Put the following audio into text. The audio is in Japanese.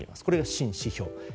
これが新指標。